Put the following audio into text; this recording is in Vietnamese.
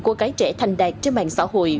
cô gái trẻ thành đạt trên mạng xã hội